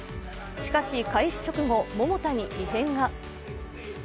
しかし、開始直後、桃田に異変が。